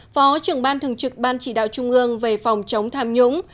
phó trưởng ban thường trực ban chỉ đạo trung ương về phòng chống tham nhũng